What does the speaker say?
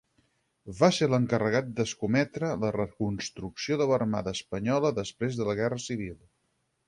Va ser l'encarregat d'escometre la reconstrucció de l'Armada espanyola després de la Guerra Civil.